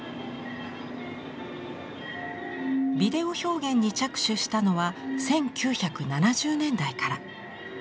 ビデオ表現に着手したのは１９７０年代から。